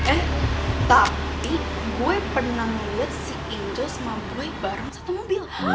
eh tapi gue pernah melihat si injil sama boy bareng satu mobil